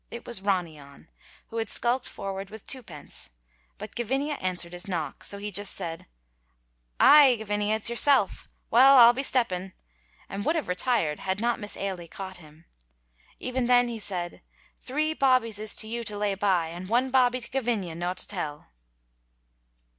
It was Ronny On, who had skulked forward with twopence, but Gavinia answered his knock, so he just said, "Ay, Gavinia, it's yoursel'. Well, I'll be stepping," and would have retired had not Miss Ailie caught him. Even then he said, "Three bawbees is to you to lay by, and one bawbee to Gavinia no to tell."